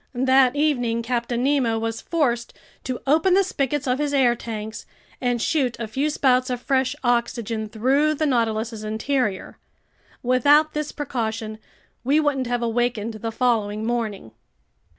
That evening Captain Nemo was forced to open the spigots of his air tanks and shoot a few spouts of fresh oxygen through the Nautilus's interior. Without this precaution we wouldn't have awakened the following morning.